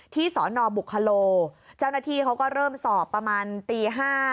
สอนอบุคโลเจ้าหน้าที่เขาก็เริ่มสอบประมาณตี๕